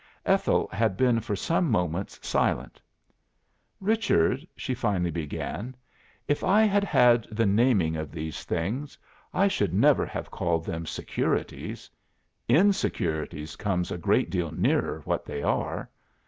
Ethel had been for some moments silent. 'Richard,' she finally began, 'if I had had the naming of these things, I should never have called them securities. Insecurities comes a great deal nearer what they are.